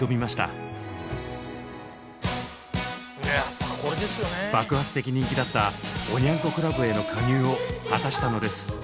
爆発的人気だった「おニャン子クラブ」への加入を果たしたのです。